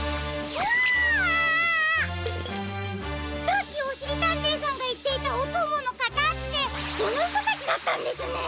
さっきおしりたんていさんがいっていたおとものかたってこのひとたちだったんですね！